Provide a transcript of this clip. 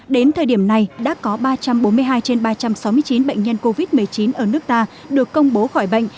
đến thời điểm này đã có ba trăm bốn mươi hai trên ba trăm sáu mươi chín bệnh nhân covid một mươi chín ở nước ta được công bố khỏi bệnh